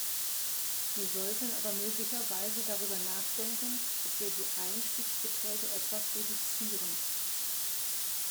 Wir sollten aber möglicherweise darüber nachdenken, ob wir die Einstiegsbeträge etwas reduzieren.